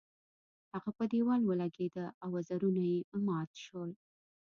هغه په دیوال ولګیده او وزرونه یې مات شول.